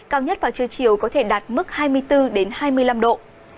cao nhất vào trưa chiều có thể đạt mức hai mươi bốn hai mươi năm độ